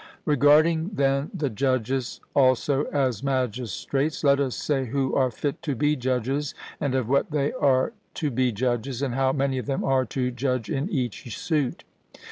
Regarding then the judges also as magistrates, let us say who are fit to be judges, and of what they are to be judges, and how many of them are to judge in each suit.